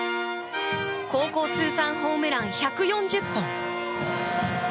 高校通算ホームラン１４０本。